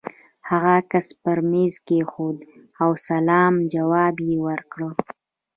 هغه عکس پر مېز کېښود او د سلام ځواب يې ورکړ.